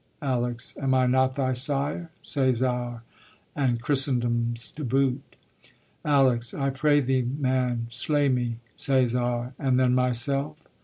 ALEX. Am I not thy sire? CÆSAR. And Christendom's to boot. ALEX. I pray thee, man, Slay me. CÆSAR. And then myself?